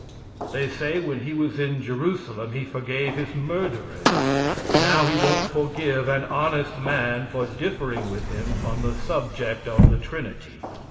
They say when He was in Jerusalem, He forgave His murderers. Now He won't forgive an honest man for differing with Him on the subject of the Trinity.